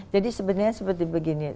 jadi sebenarnya seperti begini